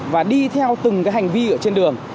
và đi theo từng hành vi ở trên đường